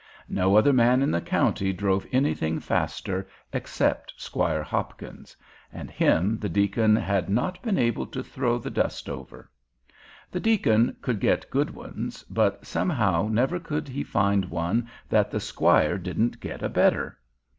No other man in the county drove anything faster except Squire Hopkins, and him the deacon had not been able to throw the dust over. The deacon would get good ones, but somehow never could he find one that the squire didn't get a better.